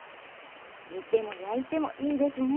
煮ても焼いてもいいですね！